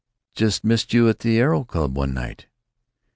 Just missed you at the Aero Club one night.